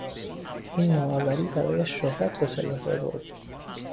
این نوآوری برایش شهرت و ثروت آورد.